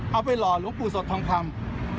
เอาไปหล่อหลวงปู่สดทองคำ